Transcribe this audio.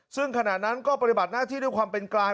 ซึ่งขณะนั้นก็ปฏิบัติหน้าที่ด้วยความเป็นกลาง